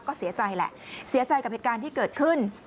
ก็เสียใจแหละเสียใจกับเหตุการณ์ที่เกิดขึ้น